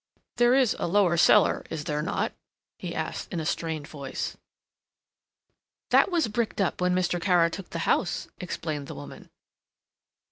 "There is a lower cellar, is there not!" he asked in a strained voice. "That was bricked up when Mr. Kara took the house," explained the woman.